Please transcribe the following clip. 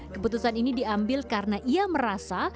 keputusan ini diambil karena ia merasa